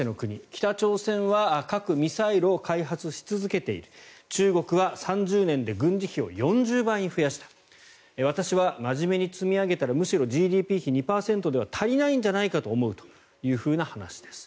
北朝鮮は核・ミサイルを開発し続けている中国は３０年で軍事費を４０倍に増やした私は真面目に積み上げたらむしろＧＤＰ比２％では足りないんじゃないかと思うという話です。